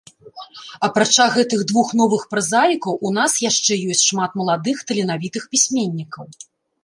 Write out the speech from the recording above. Апрача гэтых двух новых празаікаў у нас яшчэ ёсць шмат маладых таленавітых пісьменнікаў.